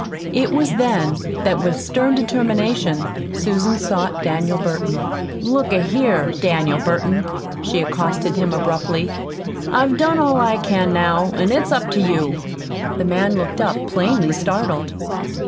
It was then that with stern determination Susan sought Daniel Burton. "Look a here, Daniel Burton," she accosted him abruptly, "I've done all I can now, an' it's up to you." The man looked up, plainly startled.